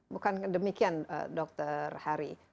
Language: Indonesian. bukan demikian dokter hari